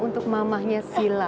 untuk mamahnya silla